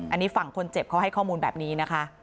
อันนี้ฝั่งคนเจ็บเขาให้ข้อมูลแบบนี้นะคะ